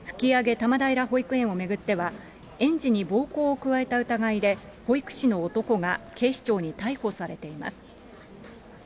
多摩平保育園を巡っては、園児に暴行を加えた疑いで、保育士の男が警視庁に逮捕されています。